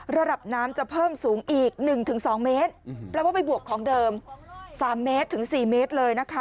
ระดับน้ำจะเพิ่มสูงอีก๑๒เมตรแปลว่าไปบวกของเดิม๓เมตรถึง๔เมตรเลยนะคะ